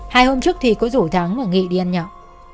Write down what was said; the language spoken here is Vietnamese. hai hôm trước thì có rủ thắng và nghị đi ăn nhậu